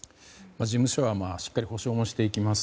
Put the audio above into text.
事務所はしっかり補償もしていきます